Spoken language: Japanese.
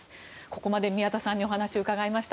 ここまで宮田さんにお話を伺いました。